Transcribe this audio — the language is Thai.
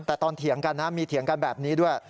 แต่ตอนเถียงกันนะมีเถียงกันแบบนี้ด้วย